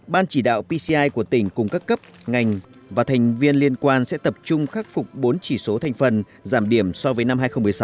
ban chỉ đạo pci của tỉnh cùng các cấp ngành và thành viên liên quan sẽ tập trung khắc phục bốn chỉ số thành phần giảm điểm so với năm hai nghìn một mươi sáu